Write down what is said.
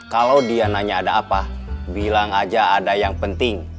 kalau dia nanya ada apa bilang aja ada yang penting